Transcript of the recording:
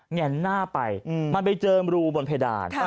แนนหน้าไปมันไปเจอรูบนเพดาน